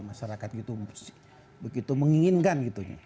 masyarakat begitu menginginkan